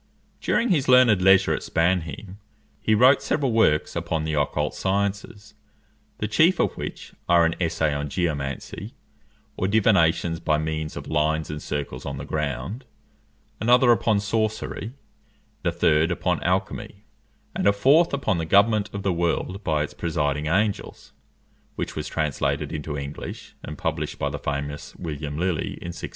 During his learned leisure at Spannheim, he wrote several works upon the occult sciences, the chief of which are an essay on geomancy, or divination by means of lines and circles on the ground; another upon sorcery; a third upon alchymy; and a fourth upon the government of the world by its presiding angels, which was translated into English, and published by the famous William Lilly in 1647.